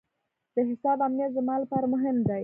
د حساب امنیت زما لپاره مهم دی.